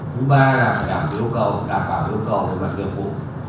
thứ ba là phải đảm bảo yêu cầu về mặt tiêu thụ